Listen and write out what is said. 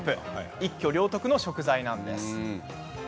一挙両得の食材なんです。